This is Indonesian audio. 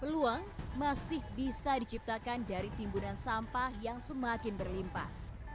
peluang masih bisa diciptakan dari timbunan sampah yang semakin berlimpah